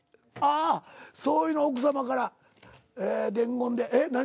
そういうの奥さまから伝言でえっ何？